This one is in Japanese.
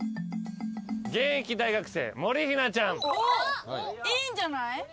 現役大学生もりひなちゃん。おっいいんじゃない？